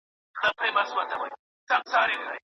هغه ورځ چي نه لېوه نه قصابان وي